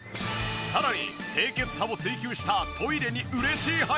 さらに清潔さを追求したトイレに嬉しい配慮が。